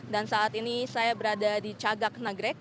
dan saat ini saya berada di cagak nagrek